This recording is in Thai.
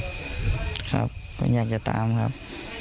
ยังต้องหาสมพันธ์ที่ของพ่อนะครับ